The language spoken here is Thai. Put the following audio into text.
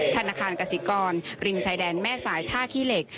ธนาคารกสิกรมีไลน์ฎังแหม่สายท่าขี้เหล็ก